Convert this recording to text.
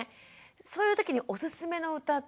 そういうときにおすすめの歌って